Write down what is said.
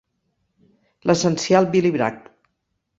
"L'essencial Billy Bragg".